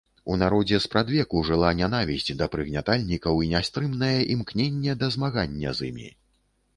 У народзе спрадвеку жыла нянавісць да прыгнятальнікаў і нястрымнае імкненне да змагання з імі.